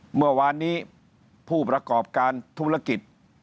เมื่อวานนี้ผู้ประกอบการธุรกิจ